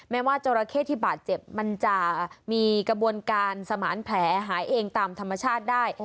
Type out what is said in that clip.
แม้ว่าจราเข้ที่บาดเจ็บมันจะมีกระบวนการสมานแผลหายเองตามธรรมชาติได้